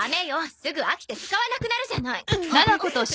すぐ飽きて使わなくなるじゃない！